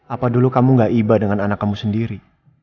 apa dulu kamu gak iba dengan anak kamu sendiri